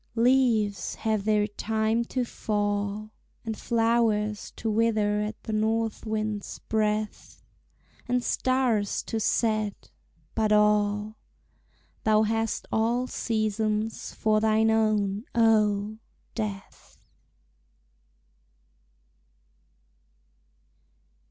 Leaves have their time to fall, And flowers to wither at the north wind's breath, And stars to set but all. Thou hast all seasons for thine own, oh! Death.